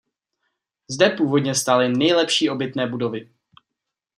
Zde původně stály nejlepší obytné budovy.